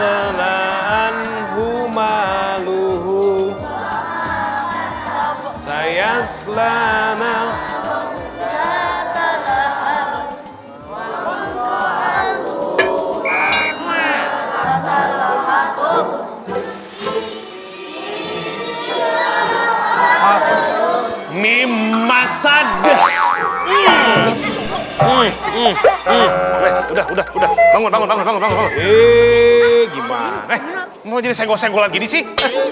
udah udah udah bangun bangun bangun bangun eh gimana mau jadi senggol senggolan gini sih